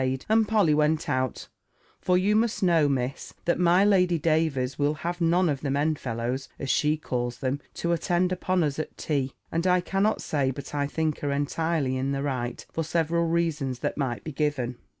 obeyed; and Polly went out; for you must know, Miss, that my Lady Davers will have none of the men fellows, as she calls them, to attend upon us at tea. And I cannot say but I think her entirely in the right, for several reasons that might be given.